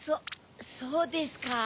そうですか。